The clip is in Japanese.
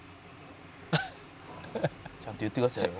「ちゃんと言ってくださいよ」